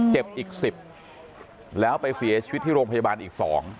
เจ็บอีก๑๐แล้วไปเสียชีวิตที่โรงพยาบาลอีก๒